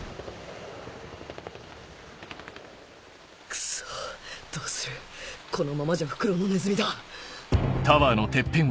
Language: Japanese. クソっどうするこのままじゃ袋のネズミだ